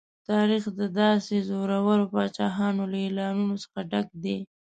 تاریخ د داسې زورورو پاچاهانو له اعلانونو څخه ډک دی.